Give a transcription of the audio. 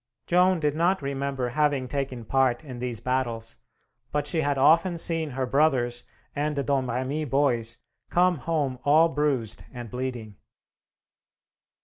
Joan did not remember having taken part in those battles, but she had often seen her brothers and the Domremy boys come home all bruised and bleeding.